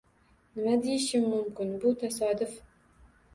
Nima deyishim mumkin, bu tasodif!